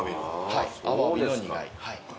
はいアワビの煮貝。